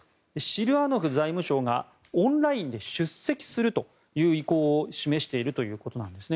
シルアノフ財務相がオンラインで出席するという意向を示しているということなんです。